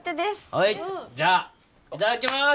はいじゃあいただきまーす！